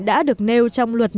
đã được nêu trong luật nhận